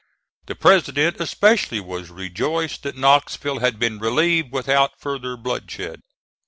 The President especially was rejoiced that Knoxville had been relieved (*18) without further bloodshed.